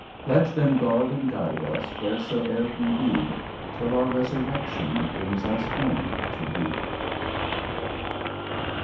Let them guard and guide us, Whereso'er we be. Till our resurrection Brings us home to Thee.